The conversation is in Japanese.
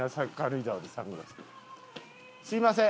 すみません。